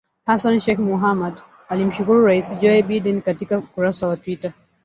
Hassan Sheikh Mohamud alimshukuru Rais Joe Biden katika ukurasa wa Twita